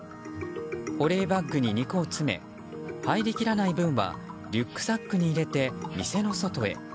保冷バッグに肉を詰め入りきらない分はリュックサックに入れて店の外へ。